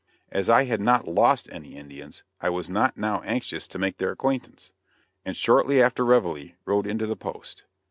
As I had not "lost" any Indians, I was not now anxious to make their acquaintance, and shortly after reveille rode into the post.